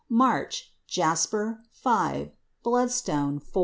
March Jasper 5, bloodstone 4.